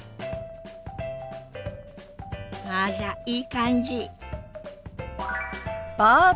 あらいい感じ。